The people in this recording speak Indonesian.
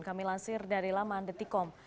kami lansir dari laman detikom